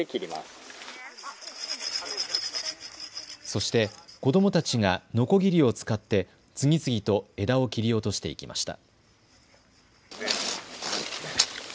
そして子どもたちがのこぎりを使って次々と枝を切り落としていきました。